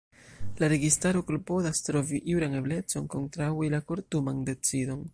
La registaro klopodas trovi juran eblecon kontraŭi la kortuman decidon.